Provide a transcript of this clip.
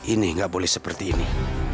ini nggak boleh seperti ini